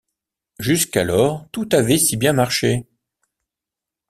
Jusqu’alors tout avait si bien marché!